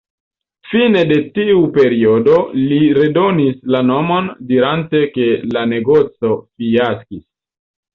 Fine de tiu periodo, li redonis la monon, dirante ke la negoco fiaskis.